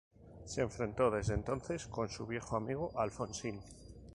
Se enfrentó desde entonces con su viejo amigo Alfonsín.